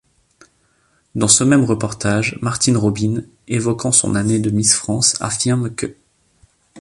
Dans ce même reportage Martine Robine, évoquant son année de Miss France, affirme qu'.